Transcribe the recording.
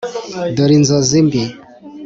dore inzozi mbi,